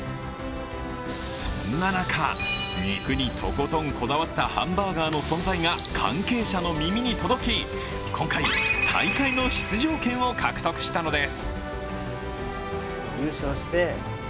そんな中、肉にとことんこだわったハンバーガーの存在が関係者の耳に届き、今回、大会の出場権を獲得したのです。